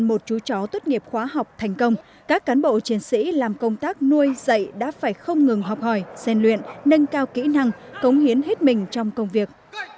một chú chó tốt nghiệp khóa học thành công các cán bộ chiến sĩ làm công tác nuôi dạy đã phải không ngừng học hỏi gian luyện nâng cao kỹ năng cống hiến hết mình trong công việc